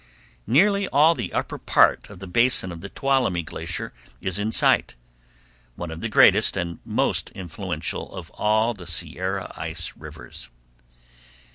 Nearly all the upper part of the basin of the Tuolumne Glacier is in sight, one of the greatest and most influential of all the Sierra ice rivers.